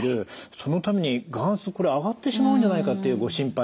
そのために眼圧上がってしまうんじゃないかっていうご心配がある。